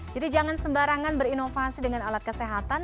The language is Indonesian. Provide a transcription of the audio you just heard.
jadi jangan sembarangan berinovasi dengan alat kesehatan